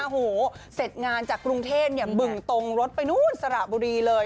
โอ้โหเสร็จงานจากกรุงเทพบึงตรงรถไปนู่นสระบุรีเลย